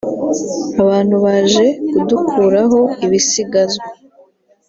abantu baje kudukuraho ibisigazwa